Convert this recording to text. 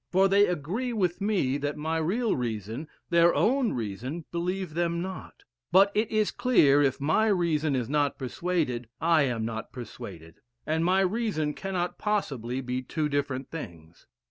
For they agree with me, that my real reason, their own reason, believe them not; but it is clear if my reason is not persuaded, I am not persuaded, and my reason cannot possibly be two different beings.